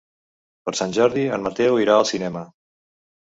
Per Sant Jordi en Mateu irà al cinema.